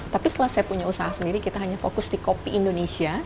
tapi setelah saya punya usaha sendiri kita hanya fokus di kopi indonesia